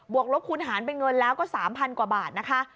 กลบคูณหารเป็นเงินแล้วก็๓๐๐กว่าบาทนะคะ